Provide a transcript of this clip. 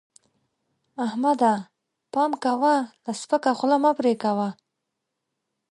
احمده! پام کوه؛ له سپکه خوله مه پرې کوه.